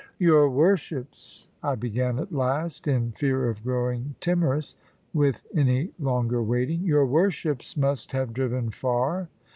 "Your worships," I began at last, in fear of growing timorous, with any longer waiting "your worships must have driven far."